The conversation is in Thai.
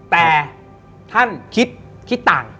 แต่ท่านคิดต่าง